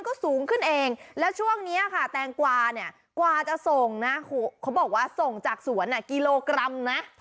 ก็สูงขึ้นเองแล้วช่วงนี้ค่ะแตงกวาเนี่ยกว่าจะส่งนะเขาบอกว่าส่งจากสวนกิโลกรัมนะ